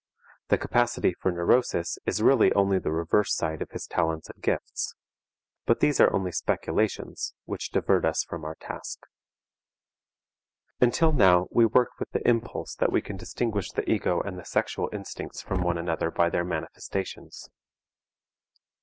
The capacity for neurosis is really only the reverse side of his talents and gifts. But these are only speculations, which divert us from our task. Until now we worked with the impulse that we can distinguish the ego and the sexual instincts from one another by their manifestations.